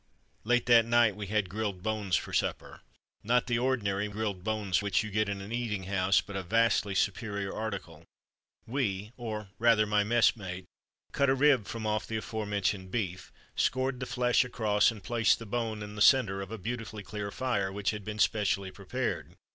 Late that night we had grilled bones for supper; not the ordinary Grilled Bones which you get in an eating house, but a vastly superior article. We, or rather my messmate, cut a rib from off the aforementioned beef, scored the flesh across, and placed the bone in the centre of a beautifully clear fire which had been specially prepared.